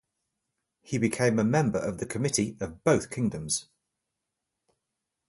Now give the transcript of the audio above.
He became a member of the Committee of Both Kingdoms.